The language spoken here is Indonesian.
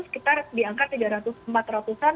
sekitar diangkat tiga ratus empat ratus an